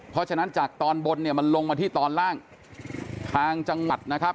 เพราะฉะนั้นจากตอนบนเนี่ยมันลงมาที่ตอนล่างทางจังหวัดนะครับ